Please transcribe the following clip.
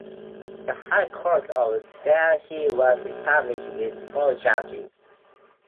The High Court of Delhi was established with four judges.